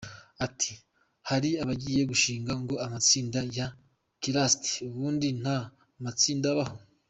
Ati “Hari abagiye bashinga ngo amatsinda ya kirasta, ubundi nta matsinda abaho.